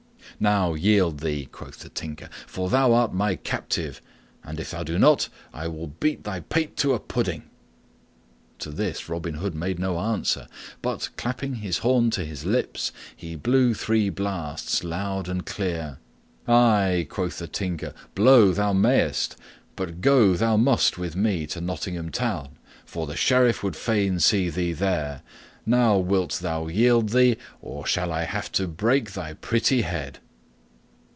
"Now yield thee," quoth the Tinker, "for thou art my captive; and if thou do not, I will beat thy pate to a pudding." To this Robin Hood made no answer, but, clapping his horn to his lips, he blew three blasts, loud and clear. "Ay," quoth the Tinker, "blow thou mayest, but go thou must with me to Nottingham Town, for the Sheriff would fain see thee there. Now wilt thou yield thee, or shall I have to break thy pretty head?"